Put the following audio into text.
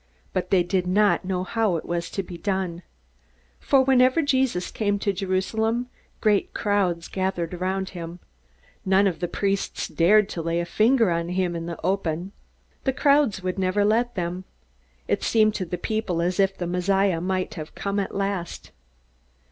But they did not know how it was to be done. For whenever Jesus came to Jerusalem, great crowds gathered around him. None of the priests dared to lay a finger on him in the open. The crowds would never let them. It seemed to the people as if the Messiah might have come at last.